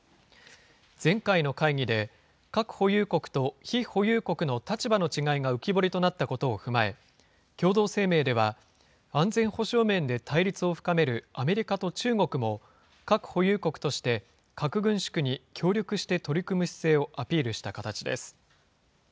前回の会議で、核保有国と非保有国の立場の違いが浮き彫りとなったことを踏まえ、共同声明では、安全保障面で対立を深めるアメリカと中国も、核保有国として核軍縮に協力して取り組む姿勢をアピールした形です。